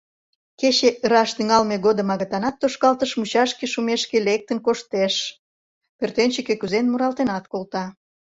Кече ыраш тӱҥалме годым агытанат тошкалтыш мучашке шумешке лектын коштеш, пӧртӧнчыкӧ кӱзен муралтенат колта.